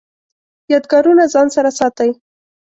یادګارونه ځان سره ساتئ؟